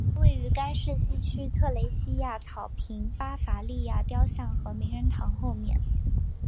它位于该市西区特蕾西娅草坪巴伐利亚雕像和名人堂后面。